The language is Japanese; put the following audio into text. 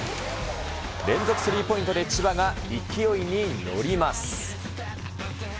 連続スリーポイントで千葉が勢いに乗ります。